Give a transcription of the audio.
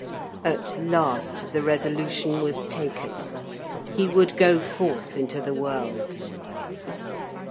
At last the resolution was taken, he would go forth into the world.